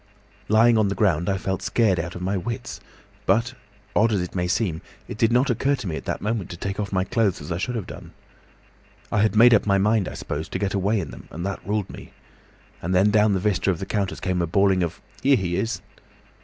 "Lying on the ground, I felt scared out of my wits. But—odd as it may seem—it did not occur to me at the moment to take off my clothes as I should have done. I had made up my mind, I suppose, to get away in them, and that ruled me. And then down the vista of the counters came a bawling of 'Here he is!